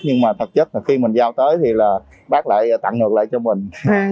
nhưng mà thật chất là khi mình giao tới thì là bác lại tặng ngược lại cho mình